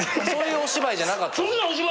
そういうお芝居じゃなかったの？